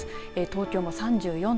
東京も３４．４度。